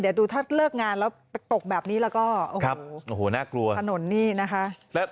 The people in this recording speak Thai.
เดี๋ยวดูถ้าเลิกงานแล้วตกแบบนี้แล้วก็โอ้โหน่ากลัวถนนนี่นะคะ